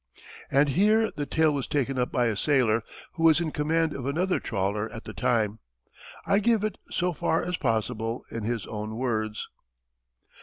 And here the tale was taken up by a sailor who was in command of another trawler at the time. I give it, so far as possible, in his own words.